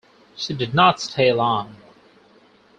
She did not stay long.